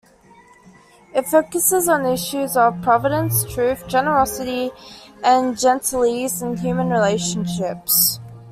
It focuses on issues of providence, truth, generosity and "gentillesse" in human relationships.